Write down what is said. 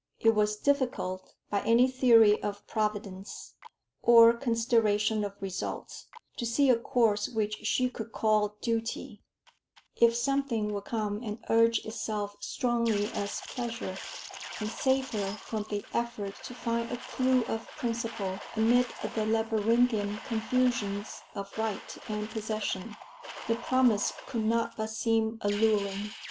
It was difficult, by any theory of Providence, or consideration of results, to see a course which she could call duty: if something would come and urge itself strongly as pleasure, and save her from the effort to find a clue of principle amid the labyrinthine confusions of right and possession, the promise could not but seem alluring.